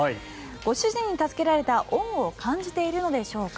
ご主人に助けられた恩を感じているのでしょうか。